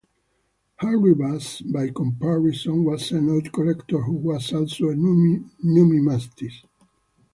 Harry Bass by comparison was a noted collector who was also a numismatist.